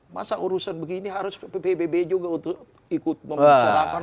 masa urusan begini harus ppbb juga untuk ikut membicarakan